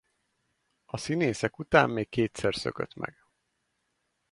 A színészek után még kétszer szökött meg.